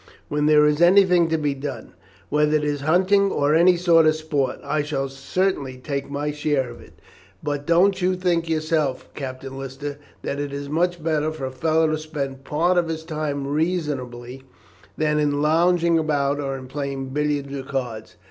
"When there is anything to be done, whether it is hunting or any sort of sport, I shall certainly take my share in it; but don't you think yourself, Captain Lister, that it is much better for a fellow to spend part of his time reasonably than in lounging about, or in playing billiards or cards?"